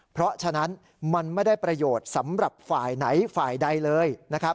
เพราะฉะนั้นมันไม่ได้ประโยชน์สำหรับฝ่ายไหนฝ่ายใดเลยนะครับ